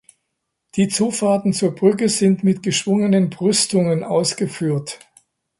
Die Zufahrten zur Brücke sind mit geschwungenen Brüstungen ausgeführt.